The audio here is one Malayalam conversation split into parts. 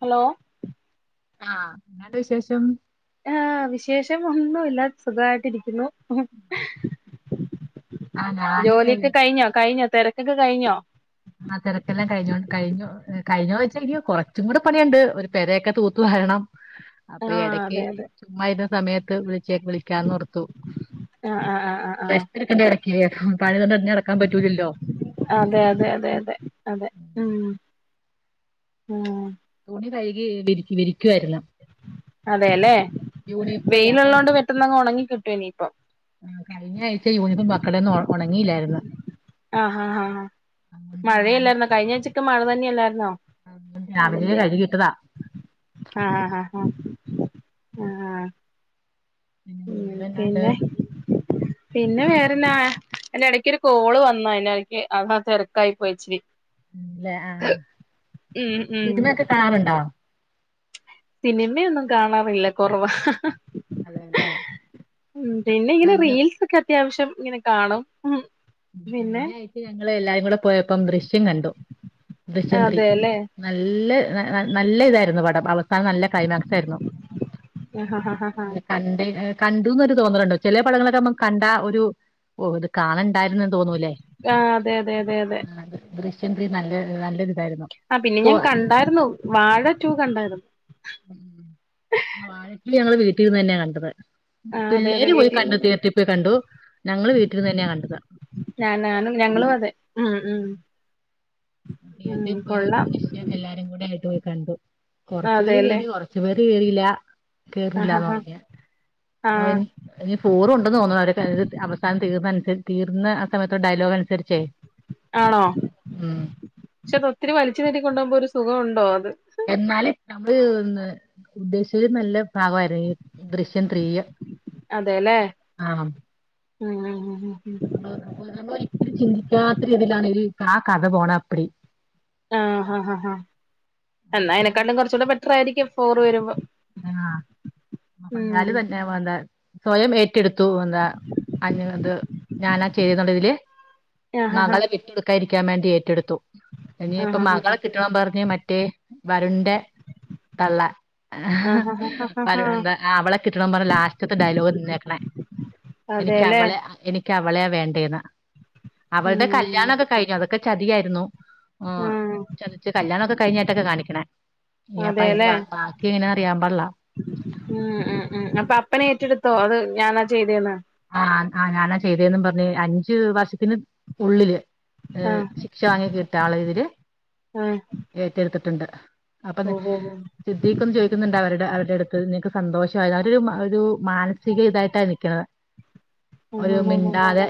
ഹലോ ആഹ് എങ്ങനെയുണ്ട് വിശേഷം ആഹ് വിശേഷം ഒന്നുയില്ല സുഖായിട്ടിരിക്കുന്നു ഉം ആ ഞാന് ജോലിയെക്ക കഴിഞ്ഞോ കഴിഞ്ഞോ തെരക്കൊക്കെ കഴിഞ്ഞോ ആ തെരക്കെല്ലാം കഴിഞ്ഞോന്ന് കഴിഞ്ഞു കഴിഞ്ഞോന്ന് ചോദിച്ചാ ഇനിയും കൊറച്ചും കൂടെ പണിയൊണ്ട് ഒരു പെരയൊക്കെ തൂത്തു വാരണം അപ്പ ആഹ് എടയ്ക്ക് അതെ അതെ ചുമ്മാ ഇരുന്ന സമയത്ത് വിളിച്ചേ വിളിക്കാന്നോർത്തു ആഹ് ആഹ് ആഹ് ആഹ് ആഹ് റെസ്റ്റെടുക്കണ്ടേ എടയ്ക്ക് പണിതൊണ്ടന്നെ നടക്കാൻ പറ്റൂല്ലല്ലോ അതെ അതെ അതെ അതെ അതെ ഊം തുണി കഴികി വിരി വിരിക്കുവായിരുന്ന് അതെല്ലേ യൂണിഫോം അല്ലേ അപ്പം വെയിലുള്ളോണ്ട് പെട്ടെന്നങ്ങ് ഒണങ്ങി കിട്ടുംഇനീപ്പം ആഹ് കഴിഞ്ഞ ആഴ്ച യൂണിഫോം മക്കളെ ഒന്നും ഒണ ഒണങ്ങില്ലാരുന്നു ആഹ് ഹാ ഹാ ആഹ് ഞാന് മഴയല്ലായിരുന്നോ കഴിഞ്ഞ ആഴ്ചക്ക മഴ തന്നെ അല്ലായിരുന്നോ രാവിലെ അതിന്റെയാ കഴുകിയിട്ടതാ ആഹ് ആഹ് ഹാ ആഹ് പിന്നെ വേറെന്നാണ്ട് പിന്നെ പിന്നെ വേറെന്നാ, അയ്ന്റെ എടയ്ക്കൊരു കോള് വന്ന് അയിനെടയ്ക്ക് അത് തെരക്കായി പോയി ഇച്ചിരി അതെ ആഹ്, ഉം ഉം സിനിമയൊക്കെ കാണാറുണ്ടോ സിനിമയൊന്നും കാണാറില്ല കൊറവാ അതെല്ലേ പിന്നെ ഇങ്ങനെ ഞങ്ങ റീൽസൊക്കെ അത്യാവശ്യം ഇങ്ങനെ കാണും പിന്നെ കഴ്ഞ്ഞ ആഴ്ച ഞങ്ങള് എല്ലാരും കൂടെ പോയപ്പം ദൃശ്യം കണ്ടു ദൃശ്യം ത്രീ അതെല്ലേ നല്ല ഇ ന ന നല്ല ഇതായിരുന്നു പടം അവ അഹ് നല്ല ക്ലൈമാക്സായിരുന്നു ആഹ് ഹ ഹ ഹ കണ്ട കണ്ടുന്നൊരു തോന്നല്ണ്ട് ചെലേപടങ്ങളൊക്കെ അമ്മക്ക് കണ്ട ഒരു ഓ ഇത് കാണണ്ടായിരുന്ന് തോന്നൂലേ ആഹ്‌ അതെ അതെ അതെ അതെ ദൃശ്യം ത്രീ നല്ല നല്ലര്തായിരുന്നു ആഹ്‌ പിന്നെ ഞാകണ്ടായിരുന്നു വാഴ റ്റു കണ്ടായിരുന്നു ഉം വാഴ റ്റു ഞങ്ങള് വീട്ടിര്ന്നെയ കണ്ടത് ഉം ആഹ് അതെ അതെ പിള്ളേര് പോയി കണ്ടു വീട്ടിൽന്ന് തിയേട്രി പോയി കണ്ടു ഞങ്ങള് വീട്ടിര്ന്നന്നെയാ കണ്ടത് ആഹ് നാനും ഞാനും അതേ ഉം ഉം ഉം തിയേട്രിപോയി ക്ക്‌ കൊള്ളാം ദൃശ്യം എല്ലാരും കൂടെ ആയിട്ട് പോയി കണ്ടു കൊറച്ചുപേര് അതെല്ലേ കേറി കോറ ച്ച് പേര് കേറില്ല ആഹ് ഹ കേർണില്ലാന്ന് ഹ പറഞ് ആഹ് അവനി ഇനി ഫൗർണ്ടെന്ന് തോന്നുണു അവര് അവസാനം തീർന്നനുസ തീർന്ന ആ സമയത്ത ഡയലോഗ് അനുസരിച്ചേ ആണോ ഉം ക്ഷെ അദോത്തിരി വലിച്ചു നീട്ടിക്കൊണ്ടോപോവുമ്പോ ഒരു സുഖം ഉണ്ടോ അത് എന്നാലും നമ്മള് ന്ന് ഉദ്ദേശിച്ചത് നല്ല ഭാഗമായിരുന്നു ദൃശ്യം ത്രീയ്യ് ആഹ്‌ ആഹ് ഹ്‌ ഹ്‌ ഹ്‌ ഹ്‌ [unintelligible] ചിന്തിക്കാത്ത രീതിയിലാണ് ആ കഥ പോണപ്പടി ആഹ്‌ ഹ ഹ ഹ എന്നാ ആണ്. അയ്നേക്കാട്ടിലും കുറച്ചൂടെ ബെറ്റർായിയിരിക്കും ഫോറ് വരുമ്പോ ആഹ്‌ ഉം അപ്പന്താലും വെ ന്ന വെന്താ സ്വയം ഏറ്റെടുത്തു എന്താ അഞ് അത് ഞാനാ ചെയ്തുണ്ട്തില് ആഹ് ഹ മകളെ ഹ വിട്ടൊടുക്കാതിരിക്കാൻ വേണ്ടി ഏറ്റെടുത്തു ഇനിപ്പ ആഹ് ഹ ഹ മകളെ കിട്ടണം പറഞ് മറ്റേ വരുൺന്റെ തള്ള ആഹ് ഹ ഹ ഹ ഹ എന്താ അവളെ കിട്ടണം പറഞ് ലാസ്റ്റത്തെ ഡയലോഗ് നിന്നേക്കണേ എനിക്ക് അതേല്ലേ അവളെ അ എനി എനി ക്കവളെയാ വേണ്ടേന്ന് അവൾടെ ഉം കല്യാണൊക്കെ കഴിഞ്ഞു അതൊക്കെ ചതിയായിരുന്നു ഉം ആഹ് ചതിച്ചു കല്യാണോക്കെ കഴിഞ്ഞിട്ടൊക്കെ കാണിക്കണേ ഇനിയപ്പ അയ്ന്റെ അതേല്ലേ ബാ ബാക്കി എങ്ങന അറിയാ പാട്ല്ല ഉം ഉം ഉം അപ്പൊ അപ്പനെറ്റെടുത്തോ അത് ഞാനാ ചെയ്തേന്ന് ആഹ്‌ ആ ഞാനാ ചെയ്തന്ന് പറഞ് അഞ്ചു വർഷത്തിന് ഉള്ളില് ഏഹ്‌ ആഹ് ശിക്ഷ വാങ്ങിക്കിന്ള്ളതില് ആഹ് ഏറ്റെടുത്തിട്ടുണ്ട് അപ്പന്ന് ഓഹോ ഹോ സിദ്ദിഖ്ന്ന് ചോദിക്കുന്നുണ്ട് അവരുടെ അവരുടെടുത്ത് നിനക്ക് സന്തോഷയോ അവരോരു മാനസികതായിട്ടാ നിക്ക്ണത് ഒരു ആഹ് ഹോ ഹോ മിണ്ടാതെ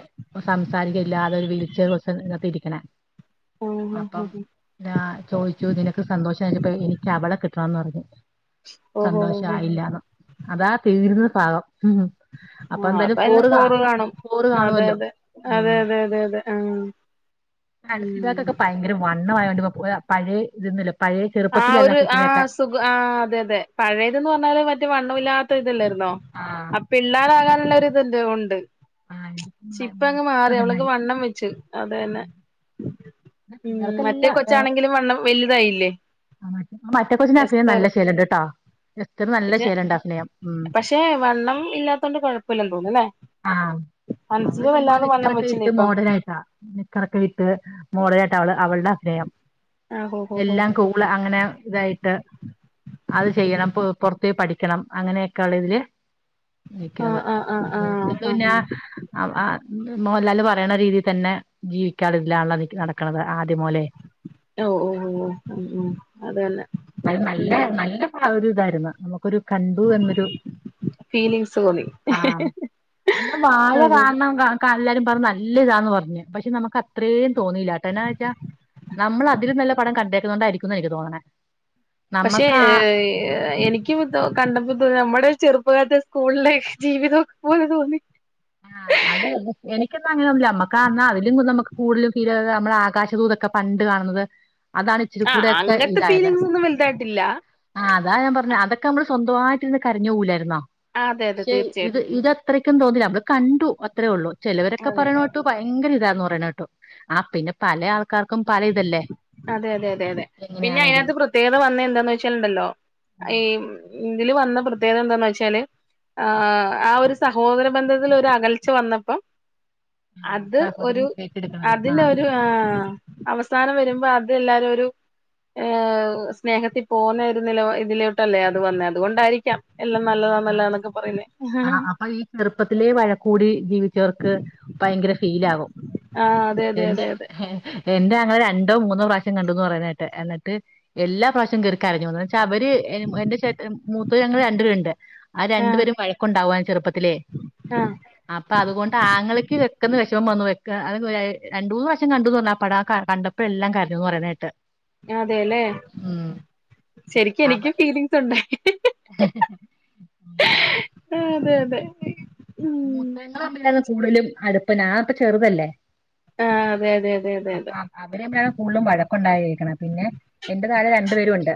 സംസാരിക്കല്ലാതെ ഒരു വീൽചെയർവെച്ച അതിനകത്ത് ഇരിക്കണേ ആഹ് ഹോ അപ്പം ഹോ താ ചോയിച്ചു നിനക്ക് സന്തോഷായിലപ്പളേ എനിക്ക് അവളെ കിട്ടണന്ന് പറഞ്ഞു ഓഹോ ഹോ സന്തോഷായില്ലാന്ന് അതാ ഹോ തീരുന്ന ഭാഗം ഉം അപ്പെന്തായാലും ഫോറ് കാണും അതെ അതെ അതെ ഉം അതെ അതെ അതെ ആഹ്‌ ആൻസിഭകോക്കേ ബയങ്കര വണ്ണം ആയോണ്ട്പ്പം ഒരാ ഇതൊന്നുല്ല പയേ ചെറുപ്പത്തിലല്ലോം ആ കൊച്ചിനോക്കെ സുഖം ആഹ്‌ അതെ അതെ പഴേത് ന്ന് പറഞ്ഞാല് മറ്റേ വണ്ണല്ലാത്തതല്ലായിരുന്നോ ആഹ്‌ പിള്ളേരാകാനുള്ളൊരു ഇത്ണ്ട് ഉണ്ട് ആഹ് ഇതിപ്പം ന- ച്ചിപ്പ അങ്ങ് മാറി മുഴുത്ത അവളക്ക് പെണ്ണായി വണ്ണം വെച്ച് അതെന്നെ ഇത് ഉം മറ്റേ പിള്ളേർക്കെല്ലാം ആ, കൊച്ചാണെങ്കിലും വണ്ണം വലുതായില്ലേ ആ മറ്റേ കൊച്ചിനെ അഫ്നേയം എസ്തർ നല്ല ശേല്ണ്ട്ട്ടോ യസ്റ്ററ് നല്ല ശേല്ണ്ട് അഫ്നയം ഉം പക്ഷേ വണ്ണം ഇല്ലാതോണ്ട് കൊഴപ്പല്ലന്ന് തോന്നല്ലേ ആഹ്‌ അവള് ചുമ്മാ നിക്കറൊക്കെ വെച്ചില്ലേ ഇട്ട് ഇപ്പം മോഡേലായിട്ടാ നിക്കറൊക്കെ ഇട്ട് മോഡലായിട്ട അവള് അവളുടെ അഫ്നയം ആഹ് ഹോ ഹോ ഹോ എല്ലാം കു ള് അങ്ങനെ ഇതായിട്ട് അത് ചെയ്യണം പ് പൊർത്തോയി പഠിക്കണം അങ്ങനെക്കള്ളതില് നിക്ക്ണത് ആഹ് ആഹ് ആഹ് ആഹ് മൂത്തോള് പിന്നെ ആഹ് അവളാത് മോഹല്ലാല് പറയ്ണ രീതി തന്നെ ജീവിക്കാള്ളതിലാള്ളദിക്ക് നടക്ക്ണത് ആദ്യം മൊതലേ ഓഹ് ഓഹ് ഓഹ് ഓഹ് ഉം ഉം അതെന്നെ അത് നല്ല നല്ല ഒരു ഇതായിരുന്നു നമുക്കൊരു കണ്ടു എന്നൊരു ഫീലിങ്സ് തോന്നി ആഹ് എന്താ വഴ അതെ അതെ കാണണം കാ ക്ക എല്ലാരും പറഞ്ഞു നല്ലതാന്ന് പറഞ് പക്ഷേ നമുക്ക് അത്രേം തോന്നിയില്ല ട്ടോ എന്നാന്ന് വെച്ചാ നമ്മള് അതിലും നല്ല പടം കണ്ടേക്കുന്നോണ്ടായിരിക്കുംന്നാ എനിക്ക് തോന്ന്ണെ പക്ഷെ ഏഹ് ഏഹ് എനിക്ക് ക്ക്പ്പെന്തോ കണ്ടപ്പോ തോന്നി നമ്മുടെ ചെറുപ്പകാലത്തെ സ്കൂളിലേ ജീവിതം പോലെ തോന്നി ആഹ് അത് എനിക്കൊന്നും അങ്ങനൊന്നൂല്ല നമ്മക്കാ അന്നാ അതിലും നമക്ക് കൂടുതലും ഫീലായത് നമ്മളെ ആകാശദൂത് ക്കെ പണ്ട് കാണുന്നത് അതാണ് ഇച്ചിരി ആഹ് കൂടെയൊക്കെ അങ്ങനത്തെ ഇതായത് ഫീലിംഗ്സ് ഒന്നും വലുതായിട്ടില്ല ആഹ് അതാ ഞാൻ പറഞ്ഞെ അതൊക്കെ നമ്മള് സ്വന്തവായിട്ടിരുന്ന് കരഞ്ഞു പോവൂലാര്ന്നോ അതെ അതെ പക്ഷെ ഇത് തീർച്ചയായിട്ടും ഇത ത്രയ്ക്കും തോന്നില്ല നമ്മള് കണ്ടു അത്രേ ഒള്ളൂ ചെലവരൊക്കെ അതെ പറയ്ണ അതെ കേട്ടു ഭയങ്കര ഇതാന്ന് പറയ്ണ കേട്ടു ആഹ് പിന്നെ പലേ ആൾ ക്കാർക്കും പലേ ഇതല്ലേ എങ്ങനെയാണെങ്കിലും ത്യേകത വന്നാ എന്താന്ന് വെച്ചാലുണ്ടല്ലോ ഈ ഇതില് വന്ന പ്രത്യേകത എന്താന്ന് വെച്ചാല് ആഹ് ആ ഒരു സഹോദര ബന്ധത്തിൽ ഒരകൽച്ച വന്നപ്പം ആ അത് സഹോദരൻ ഒരു ഏറ്റെടുക്കണത് ആ അതിനൊരു ആഹ് അവസാനം വരുമ്പോ അത് എല്ലാരും ഒരു ഏഹ് സ്നേഹത്തിൽ പോവുന്ന ഒരു നില ഇതിലോട്ടല്ലേ അത് വന്നെ അതുകൊണ്ടായിരിക്കാം എല്ലാം നല്ലതാ അതുകൊണ്ട് നല്ലതാന്നൊക്കെ പറയുന്നേ ചെറുപ്പത്തിലെ വഴക്കൂടി ജീവിച്ചവർക്ക് ഭയങ്കര ഫീലാകും ആഹ് അതെ അതെ എന്റെ അതെ അതെ എന്റെറെ ആങ്ങള രണ്ടോ മൂന്നോ പ്രാവശ്യം കണ്ടുന്ന് പറയ്ണേട്ട് എന്നിട്ട് എല്ലാ പ്രാവശ്യവും കേറി കരഞ്ഞു ന്ന് പക്ഷെ അവര് എന്റെ ചേട്ടൻ മൂത്തത് ഞങ്ങള് ര രുണ്ട് ആ ആഹ് രണ്ടുപേരും വഴക്കുണ്ടാവാര്ന്നു ചെറുപ്പത്തിലേ ആഹ് അപ്പൊ അതുകൊണ്ട് ആങ്ങളക്ക് വെക്കന്ന് വിഷമം വന്നു വെക്ക അതൊക്കെ ഒര് രണ്ട് മൂന്ന് പ്രാവശ്യം കണ്ടു ന്ന് പറഞ്ഞു ആ പടം ആഹ് കണ്ട പ്പ എല്ലാം കരഞ്ഞു ന്ന് പറയ്ണേട്ട് അതെല്ലേ ശരിക്ക്‌ അവ എനിക്കും ഫീലിങ്സ് ഉണ്ടായി. ആഹ് അതെ അതെ ഉം മൂത്തേങ്ങൾ തമ്മിലാര്ന്നു കൂടുതലും അടുപ്പം ഞാൻ അപ്പ ചെറുതല്ലേ ആഹ് അതെ അതെ അതെ അതെ അപ്പൊ അതെ അ- അവര് തമ്മിലാണ് കൂടുതലും വഴക്ക് ഉണ്ടായിരിക്കുന്നത് പിന്നെ എന്റെ താഴെ രണ്ടു പേരും ഉണ്ട്.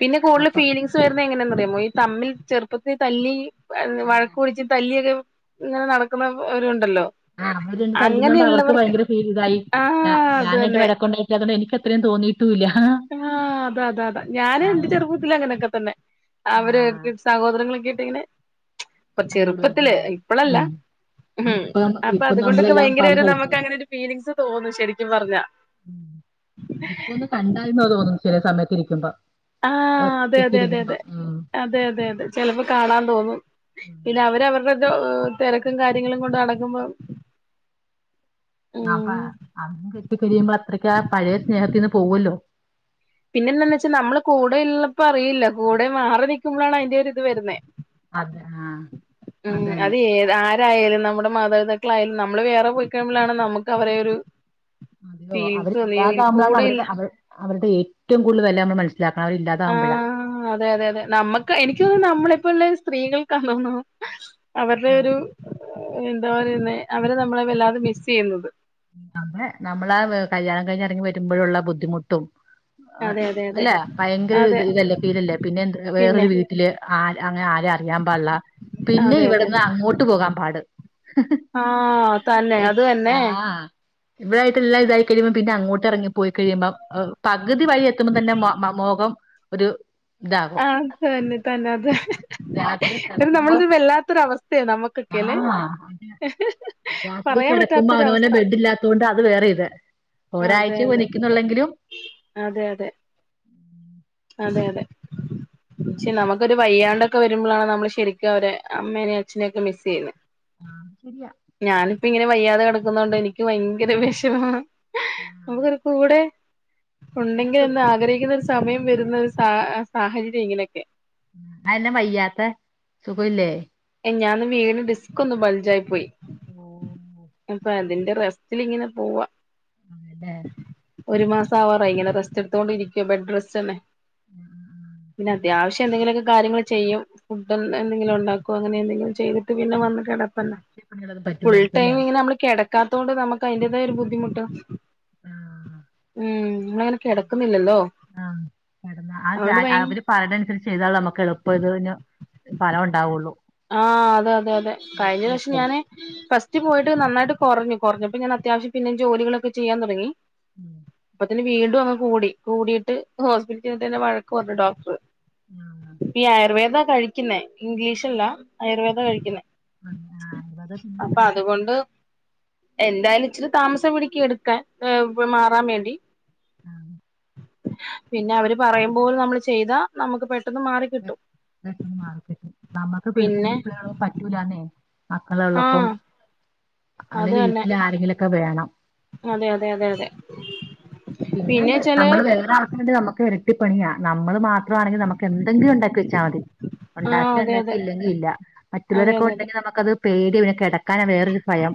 പിന്നെ കൂടുതൽ അപ്പം ഫീലിംഗ്സ് വരുന്നത് എങ്ങനെയന്ന് അറിയാമോ ഈ തമ്മിൽ ചെറുപ്പത്തിൽ തല്ലി ആ വഴക്ക്‌ കൂടിയിട്ട് തല്ലിയൊരു ഇങ്ങനെ നടക്കുന്ന ഒരുണ്ടല്ലോ ആഹ് അവര് രണ്ടും തല്ലുന്നോണ്ട് അവർക്ക് ഭയങ്കര ഫീൽ ഇതായി ഞാ ആഹ് അത് ഞാനായിട്ട് തന്നെ വഴക്കുണ്ടെ ല്ലാത്തോണ്ട് എനിക്ക് അത്രയും തോന്നി. ട്ടൂല ആഹ് ആഹ് അതെ അതെ അതെ ഞാൻ ഇന്റെ ചെറുപ്പത്തിൽ അങ്ങനെയൊക്കെ തന്നെ അവരെ ആഹ് വെർപ്പിച്ച് സഹോദരങ്ങളൊക്കെഇട്ട് ഇങ്ങനെ ഇപ്പൊ ചെറുപ്പത്തില് തല്ലൂടുവായിരുന്നല്ലേ ഇപ്പളല്ല ഉം ഉം ഇപ്പം അപ്പൊ ഇപ്പം അതുകൊണ്ടൊക്കെ നമ്മളെല്ലാം ഭയങ്കര പല ഒരു സ്ഥലത്ത് നമുക്ക് അങ്ങനെ ഒരു ഫീലിങ്സ് തോന്നും ശരിക്കും പറഞ്ഞാ. ഉം ഇപ്പൊന്ന് കണ്ടാൽന്ന് തോന്നും ചില സമയത്തിരിക്കുമ്പോ ആഹ് അതെ അതെ അതെ അതെ അതെ അതെ അതെ ചെലപ്പോ കാണാൻ തോന്നും. ഉം. പിന്നെ അവരവരുടെത് തിരക്കും കാര്യങ്ങളും കൊണ്ട് നടക്കുമ്പം ആപ്പ അതും വിട്ട് പിരിയുമ്പോ അത്രക്കാ പഴയ സ്നേഹത്തിന്ന് പോവോല്ലോ. പിന്നെ എന്താന്ന് വെച്ചാൽ നമ്മള് കൂടെ ഉള്ളപ്പോ അറിയില്ല കൂടെ മാറി നിൽക്കുമ്പോഴാണ് അയിന്റെ ഒരു ഇത് വരുന്നത്. അതെ ആഹ് ഉം അതന്നെ അത് ഏത ആര് രായാലും നമ്മുടെ മാതാപിതാക്കളായാലും നമ്മള് വേറെ പോയി കഴുമ്പോളാണ് നമുക്ക് അവരെ ഒരു [unintelligible] ഫീലിങ്സ് തോന്നിയോ അവരില്ലാതാവുമ്പോഴാണ് കൂടെയില്ല അവരുടെ അവ അവരുടെ ഏറ്റവും കൂടുതൽ വില നമ്മൾ മനസ്സിലാക്കാ അവരില്ലാതാവുമ്പഴാ ആഹ് അതെ അതെ അതെ നമ്മക്ക് എനിക്ക് തോന്നുന്നു നമ്മളിപ്പോ ഉള്ള സ്ത്രീകൾക്കാണണോ. അവരുടെ ഒരു എന്താ പറയുന്നെ അവരെ നമ്മള് വല്ലാതെ മിസ് ചെയ്യുന്നത്. അ നമ്മളെ നമ്മളാ കല്യാണം കഴിഞ്ഞി ഇറങ്ങി വരുമ്പോഴുള്ള ബുദ്ധിമുട്ടും ആ അതെ അതെ അതെ അല്ല ഭയങ്കര അതെ ഇത് ഇതല്ലേ ഫീലല്ലേ പിന്നെ എന്ത് പിന്നെ വേറരു വീ ല് ആരേ അങ്ങനെ ആര് അ അറിയാൻ പാട്ള്ള പിന്നെ അതെ അതെ ഇവട്ന്ന് അതെ അങ്ങോട്ട് പോകാൻ പാട്. ആ തന്നെ അത് തന്നെ. ഇവരായിട്ട് ഇല്ല ഇതയ്ക്കില് പിന്നെ അങ്ങോട്ട് എറങ്ങി പോയി കഴിയുമ്പം അവ് പകുതി വഴി എത്തുമ്പോം തന്നെ മൊ മ മുഖം. ഒരു താകും ആത് തന്നെ തന്നെദ് രാത്രി കിടക്കുമ്പോ നമ്മളിത് വല്ലാത്തൊരവസ്ഥയാണ് നമ്മക്കെക്കെയലെ രാത്രികിടക്കുമ്പോ അവനവനെ ബെഡ് ഇല്ലാത്തോണ്ട് അത് വേറെ ഇത്. ഒരാഴ്ച അതെ ക്കെ അതെ നിക്കുന്നുള്ളെങ്കിലും അതെ അതെ അതെ അതെ പക്ഷേ നമുക്കൊരു വയ്യാണ്ടൊക്കെ വരുമ്പോഴാണ് നമ്മള് ശെരിക്കും അവര് അമ്മേനയും അച്ഛനെയ ഒക്കെ മിസ്സ് ചെയ്യുന്നത്. ആഹ ശരിയാ. ഞാനിപ്പ ഇങ്ങനെ വയ്യാതെ കിടക്കുന്നൊണ്ട് എനിക്ക് ഭയങ്കര വെഷമമാ. ആഹ് നമുക്കരു കൂടെ എന്നാ ഉണ്ടെങ്കിൽ സു എന്ന് ആഗ്രഹിക്കുന്ന ഒരു സുഖയില്ലേ സമയം വരുന്ന സാഹ സാഹചര്യം ഇങ്ങനെക്കെ അയന്നെ വയ്യാത്ത സുഖുല്ലേ? എ ഞാനന്ന് വീണ് ഡിസ്ക് ഒന്ന് ബൾജആയി പോയി. ഓ അപ്പൊ അതിന്റെ റെസ്ററി ലിങ്ങനെ പോവാ. അതെ ഒരു മാസആവാറായി ഇങ്ങനെ റെസ്റ്റ് എടുത്തോണ്ടിരിക്കുമ്പ ബെഡ് റെസ്റ്റ് തന്നെ പിന്നെ അത്യാവശ്യം എന്തെങ്കിലുമൊക്കെ കാര്യങ്ങൾ ചെയ്യും ഫുഡ് എ എന്തെങ്കിലും ഉണ്ടാക്കും അപ്പൊ അങ്ങനെ എന്തെങ്കിലും ചെയ്തിട്ട് പിന്നെ വന്ന് കിടപ്പന്നെ, പണികളൊന്നും ഫുൾ പറ്റൂലായിരിക്കും ടൈം അല്ലേ ഇങ്ങനെ നമ്മൾ കിട കാതൊണ്ട് നമുക്ക് അതിന്റേതേയ ഒരു ബുദ്ധിമുട്ട് ആഹ് ഉം ഇന്ന അങ്ങനെ അയിന്റെ കിടക്കുന്നില്ലല്ലോ അതോണ്ട് ഭ പാലടെണ്ട് ചെയ്താൽ നമുക്ക് എളുപ്പം ഇതിന് ഫലം ഉണ്ടാവൊള്ളു ആഹ് അതെ അതെ അതെ കഴിഞ്ഞ പ്ര വശ്യം ഞാന് ഫസ്റ്റ് പോയിട്ട് നന്നായിട്ട് കുറഞ്ഞ് കുറഞ്ഞപ്പോൾ ഞാൻ അത്യാവശ്യം പിന്നെ ജോലികളൊക്കെ ചെയ്യാൻ തുടങ്ങി ഇം എന്നിന് വീണ്ടും അങ്ങ് കൂടി കൂടിയിട്ട് ഹോസ്പിറ്റ തന്നെ വഴക്കു പറഞ്ഞു ഡോക്ടർ ആഹ് ഈ ആയുർവേദ കഴിക്കുന്നേ ഇംഗ്ലീഷല്ല ആയുർവേദ കഴിക്കുന്നേ അത് ആഹ് അത് പിന്നെ അപ്പൊ നല്ലത് അതുകൊണ്ട് എന്തായാലും ച്ചിരി താമസം പിടിക്കും എടുക്കാൻ മാറാൻ മേണ്ടി ആം പിന്നെ അവര് പറയുമ്പോലെ നമ്മള് ചെയ്താ നമുക്ക് പെട്ടെന്ന് മാറി കിട്ടും പെട്ടെന്ന് മാറി കിട്ടും നമ്മുക്ക് പിഴക്കു പിന്നെ പിള്ളും പറ്റൂലന്നേ മക്കള് ഉള്ളപ്പൊ, ആഹ് അത് അല്ലെന്കി തന്നെ വീട്ടിൽ ആരെങ്കിലൊക്കെ വേണം അതെ അതെ അതെ അതെ പിന്നെ പിന്നെച്ചാല് നമ്മള് വേറെ ആളെക്കണ്ട് നമുക്ക് ഇരട്ടിപ്പണിയാ നമ്മള് മാ വാണെക്കിൽ നമുക്ക് എന്തെങ്കിലും ഉണ്ടാക്കി വെച്ചാൽ മതി ആഹ് ഉണ്ടാക്ക അതെ ഇണ്ടാക്കി അതെ ഇല്ലെങ്കിൽ ഇല്ല അതെ മറ്റുള്ളവരൊക്കെ അതെ അതെ ഉണ്ടെങ്കിൽ നമു കത് പേടിവെരും, കിടക്കാനാ വേറൊരു ഭയം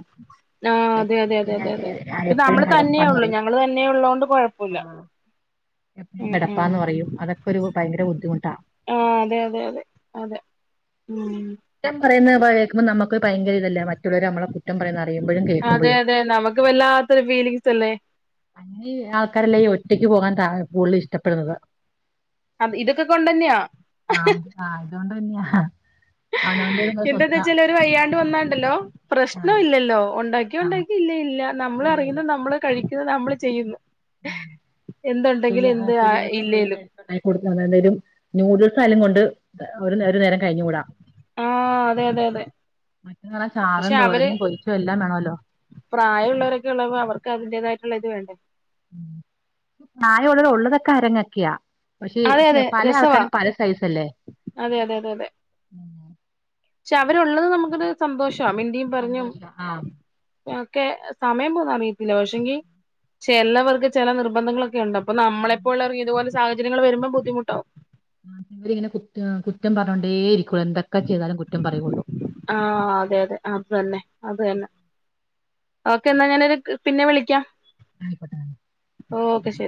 ആ എ- അതെ അതെ അതെ പിന്നെ അതെ ആ ആഹ് അതെ അതെ അതെ അതെ, ദിപ്പൊ എപ്പോഴും നമ്മൾ തന്നെയാ ഒള്ള ഞങ്ങള് തന്നെ ഉള്ളതോണ്ട് കൊഴ ആഹ്, എപ്പഴും ഉം കിടപ്പാന്ന് പറയും അതൊക്കെ ഒരു ഭയങ്കര ബുദ്ധിമുട്ടാ ആഹ് അതെ അതെ അതെ അതെ ഉം കുറ്റം പറയുന്ന കേക്കുമ്പോ നമുക്ക് ഭയങ്കര ഇതല്ലേ മറ്റുള്ളവരെ ഞമ്മെളെ കുറ്റം പറയുന്ന അറിയുമ്പോഴും കേൾക്കുമ്പോഴും അതെ അതെ നമുക്ക് വല്ലാത്തൊരു ഫീലിംഗ്സ് അല്ലേ അങ്ങനെ ഈ ആൾക്കാരല്ലാം ഈ ഒറ്റയ്ക്ക് പോകാൻ താ കൂടുതൽ ഇഷ്ടപ്പെടുന്നത് അത് ഇതൊക്കെ കൊണ്ട തന്നെയാ ആഹ് ആഹ് അതൊണ്ട് തന്നെയാ അവനവന്റേതുള്ള എന്തെന്നാ സ്വസ്ഥ വെച്ചാല് ഒരു വയ്യാണ്ട് വന്നാണ്ടല്ലോ ആഹ് പ്രശ്നം ഇല്ലല്ലോ ഉണ്ടാക്കി ആഹ് ഉണ്ടാക്കി ഇല്ലെ ഇല്ല നമ്മൾ ഇല്ല ഇല്ല അറിയുന്നു നമ്മള് കഴിക്കുന്നു നമ്മള് ചെയ്യുന്നു ഉം എന്ത്ണ്ടെങ്കിലും എന്ത് ഇല്ലേലും [unintelligible] ഒരു നൂഡിൽസ് ആയാലും കൊണ്ട് ഒരു നേരം, ഒരു നേരം കഴിഞ്ഞു കൂടാ ആഹ് അതെ അതെ അതെ മറ്റെ വെറെ ചാറും തോരനും പൊരിച്ചും എല്ലാം വേണല്ലോ പ്രായള്ളവരൊക്കെ ഉള്ളപ്പോ അവർക്ക് അതിന്റേതായിട്ടുള്ള ഒരു ഇത് വേണ്ടേ പ്രായ ഉള്ളത് ഉള്ളതൊക്കെ അരങ്ങക്കിയോ പക്ഷെ അതെ അതെ പല രസവാ ആൾക്കാരും പല സൈസ് അല്ലേ അതെ അതെ അതെ അതെ പക്ഷെ അവരുള്ളത് നമുക്കൊരു സന്തോഷ മിണ്ടിയും പറഞ്ഞു സന്തോഷ ആഹ് ഒക്കെ സമയം പോന്ന അറിയത്തില്ല പക്ഷെങ്കി ചിലവർക്ക് ചില നിർബന്ധങ്ങളൊക്കെ ഉണ്ടാവും അപ്പ നമ്മളെപ്പോലുള്ളവർ ഇതുപോലെ സാഹചര്യങ്ങൾ വര്മ്പം ബുദ്ധിമുട്ടാവും ഇവരിങ്ങനെ കുറ്റ കുറ്റം പർഞ്ഞോണ്ടേ ഇരിക്കുള്ളൂ എന്തൊക്കെ ചെയ്താലും കുറ്റം പറയുള്ളൂ ആഹ് അതെ അതെ അത് തന്നെ അത് തന്നെ ഓക്കെ എന്ന ഞാനൊരു പിന്നെ വിളിക്കാം ആയിക്കോട്ടെ ഓക്കെ ശരി